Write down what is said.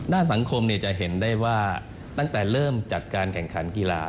ด้านสังคมจะเห็นได้ว่าตั้งแต่เริ่มจัดการแข่งขันกีฬา